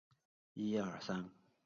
齐军得以迅速攻破宋国都城。